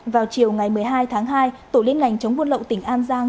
vào chiều ngày một mươi hai tháng hai tổ liên ngành chống buôn lậu tỉnh an giang